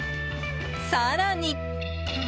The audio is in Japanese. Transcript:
更に。